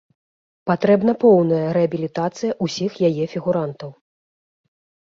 Патрэбна поўная рэабілітацыя ўсіх яе фігурантаў.